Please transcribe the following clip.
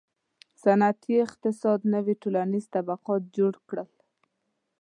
• صنعتي اقتصاد نوي ټولنیز طبقات جوړ کړل.